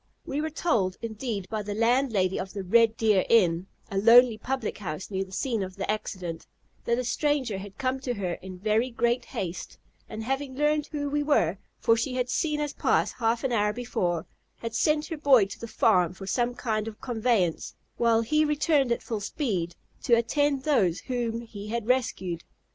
We were told, indeed, by the landlady of the "Red deer Inn" (a lonely public house near the scene of the accident) that a stranger had come to her in very great haste, and, having learned who we were, for she had seen us pass half an hour before, had sent her boy to the farm for some kind of conveyance, while he returned at full speed to attend those whom he had rescued.